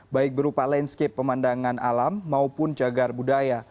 baik berupa landscape pemandangan alam maupun jagar budaya